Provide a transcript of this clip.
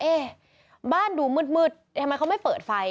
บ้านดูมืดทำไมเขาไม่เปิดไฟ